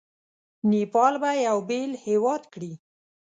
نیپال به یو بېل هیواد کړي.